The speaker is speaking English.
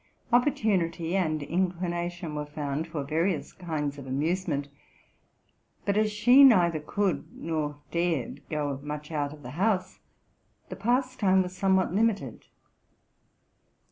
Opportunity and inclination were found for various kinds of amusement. But, as she neither could nor dared go much out of the house, the pastime was somewhat limited.